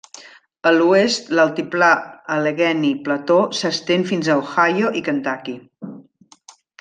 A l'oest l'altiplà Allegheny Plateau s'estén fins a Ohio i Kentucky.